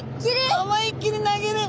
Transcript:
思いっきり投げる！